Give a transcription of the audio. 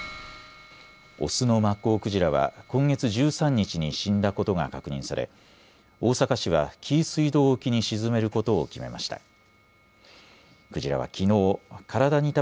オスのマッコウクジラは今月１３日に死んだことが確認され大阪市は紀伊水道沖に沈めることを決めました。